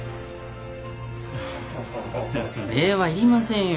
礼は要りませんよ。